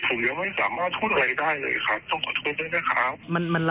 ผมยังไม่สามารถพูดอะไรได้เลยครับต้องขอโทษด้วยนะครับ